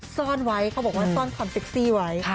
ซ่อนไว้เขาบอกว่าซ่อนความเซ็กซี่ไว้